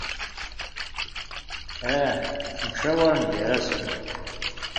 Ah! Ttttemcawaren gar-asen.